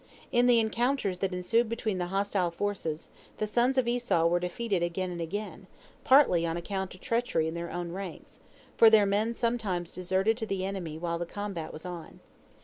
In the encounters that ensued between the hostile forces, the sons of Esau were defeated again and again, partly on account of treachery in their own ranks, for their men sometimes deserted to the enemy while the combat was on.